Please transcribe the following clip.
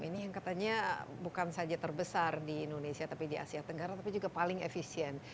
ini yang katanya bukan saja terbesar di indonesia tapi di asia tenggara tapi juga paling efisien